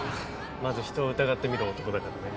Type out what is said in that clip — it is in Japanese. まず人を疑ってみる男だからね。